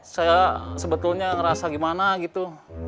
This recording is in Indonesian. saya sebetulnya ngerasa gimana gitu